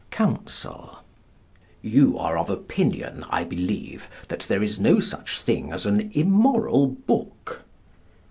Counsel: You are of opinion, I believe, that there is no such thing as an immoral book?